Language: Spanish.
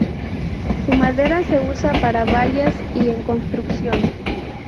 Su madera se usa para vallas y en construcción.